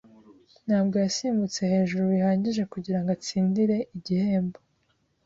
Ntabwo yasimbutse hejuru bihagije kugirango atsindire igihembo.